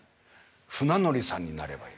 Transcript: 船乗りさんになればいい。